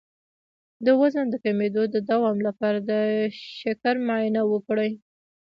د وزن د کمیدو د دوام لپاره د شکر معاینه وکړئ